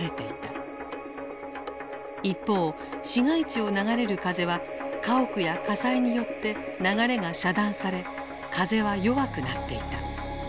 一方市街地を流れる風は家屋や火災によって流れが遮断され風は弱くなっていた。